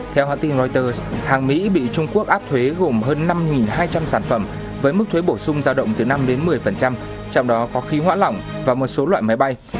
theo hãng tin reuters hàng mỹ bị trung quốc áp thuế gồm hơn năm hai trăm linh sản phẩm với mức thuế bổ sung giao động từ năm đến một mươi trong đó có khí hoã lỏng và một số loại máy bay